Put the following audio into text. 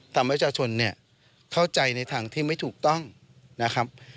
ประชาชนเนี่ยเข้าใจในทางที่ไม่ถูกต้องนะครับ